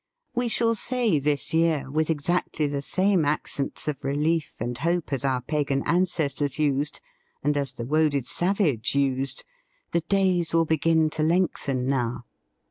We shall say this year, with exactly the same accents of relief and hope as our pagan ancestors used, and as the woaded savage used: "The days will begin to lengthen now!"